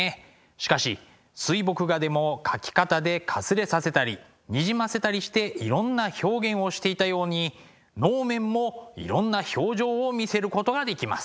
しかし水墨画でも描き方でかすれさせたりにじませたりしていろんな表現をしていたように能面もいろんな表情を見せることができます。